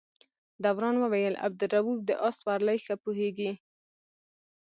دوران وویل عبدالروف د آس سورلۍ ښه پوهېږي.